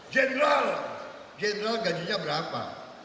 general general gajinya berapa